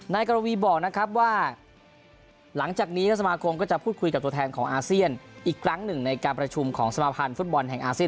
นายกรวีบอกนะครับว่าหลังจากนี้สมาคมก็จะพูดคุยกับตัวแทนของอาเซียนอีกครั้งหนึ่งในการประชุมของสมาพันธ์ฟุตบอลแห่งอาเซียน